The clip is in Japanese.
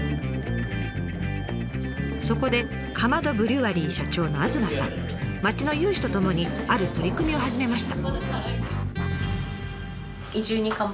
そこでカマドブリュワリー社長の東さん町の有志とともにある取り組みを始めました。